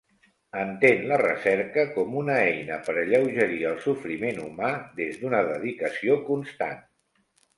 Entén la recerca com una eina per alleugerir el sofriment humà des d'una dedicació constant.